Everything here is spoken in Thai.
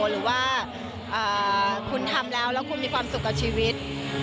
หรือว่าคุณทำแล้วแล้วคุณมีความสุขกับชีวิต